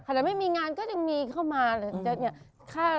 ถ้าไม่มีงานก็ยังมีเข้ามา